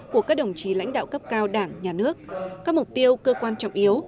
của các đồng chí lãnh đạo cấp cao đảng nhà nước các mục tiêu cơ quan trọng yếu